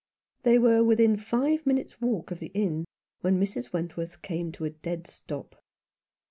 They were within five minutes' walk of the inn when Mrs. Wentworth came to a dead stop.